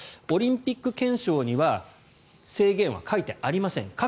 オリンピック憲章には制限は書いてありません。